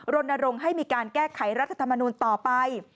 รณรงค์ให้มีการแก้ไขรัฐธรรมนูลต่อไป